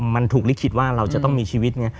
มันถูกลิขิตว่าเราจะต้องมีชีวิตไง